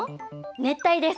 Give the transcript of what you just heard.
熱帯です。